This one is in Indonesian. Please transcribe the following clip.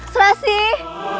selasi dimana nak